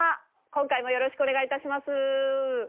今回もよろしくお願いいたします。